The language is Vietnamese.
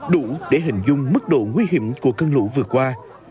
đủ để hình dung mức độ nguy hiểm của cơn lũ vừa qua